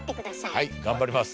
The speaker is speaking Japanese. はい頑張ります。